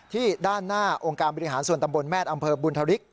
ด้านหน้าองค์การบริหารส่วนตำบลแม่อำเภอบุญธริก